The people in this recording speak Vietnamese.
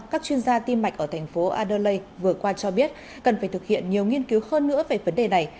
các chuyên gia tim mạch ở thành phố adelaide vừa qua cho biết cần phải thực hiện nhiều nghiên cứu hơn nữa về vấn đề này